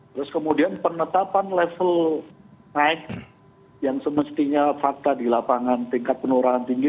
terus kemudian penetapan level naik yang semestinya fakta di lapangan tingkat penularan tinggi